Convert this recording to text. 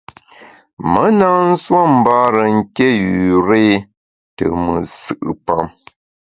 Me na nsuo mbare nké üré te mùt nsù’pam.